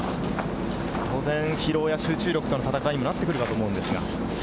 当然、疲労や集中力との戦いとなってくると思います。